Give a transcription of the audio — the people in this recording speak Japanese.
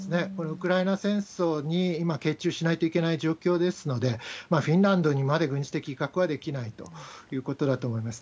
ウクライナ戦争に今傾注しないといけない状況ですので、フィンランドにまで軍事的威嚇はできないということだと思います。